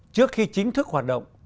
trước khi chính thức hoạt động